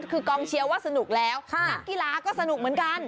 คือกองเชียร์ว่าสนุกแล้วนักกีฬาก็สนุกเหมือนกัน